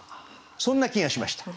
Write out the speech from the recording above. そんな気がしました。